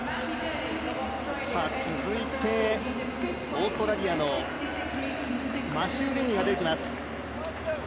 続いてオーストラリアのマシュー・デニーが出てきます。